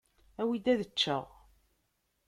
Awi-d ad eččeɣ!